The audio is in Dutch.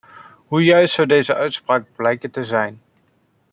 Hoe juist zou deze uitspraak blijken te zijn!